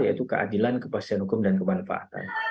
yaitu keadilan kepastian hukum dan kemanfaatan